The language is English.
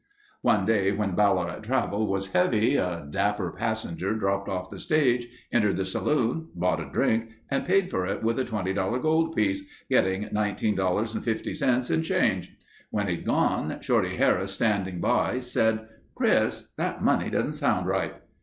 One day when Ballarat travel was heavy, a dapper passenger dropped off the stage, entered the saloon, bought a drink and paid for it with a $20 gold piece, getting $19.50 in change. When he'd gone, Shorty Harris standing by said: "Chris, that money doesn't sound right."